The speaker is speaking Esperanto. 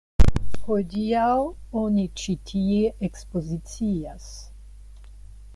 Hodiaŭ oni ĉi tie ekspozicias.